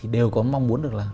đều có mong muốn được là